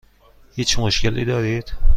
هیچ مشکلی دارید؟